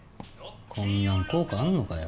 こんなの効果あるのかよ。